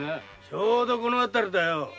ちょうどこの辺りだよ。